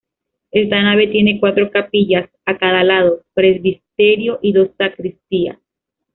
Esta nave tiene cuatro capillas a cada lado, presbiterio y dos sacristías.